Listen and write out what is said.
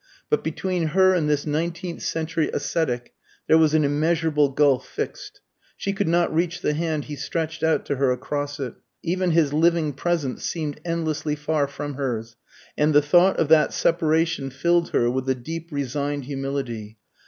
But between her and this nineteenth century ascetic there was an immeasurable gulf fixed; she could not reach the hand he stretched out to her across it. Even his living presence seemed endlessly far from hers, and the thought of that separation filled her with a deep resigned humility.